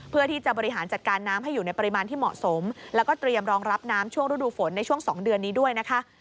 เพื่อที่จะบริหารจัดการน้ำให้อยู่ในปริมาณที่เหมาะสมแล้วก็เตรียมรองรับน้ำช่วงฤดูฝนในช่วง๒เดือนนี้ด้วยนะคะ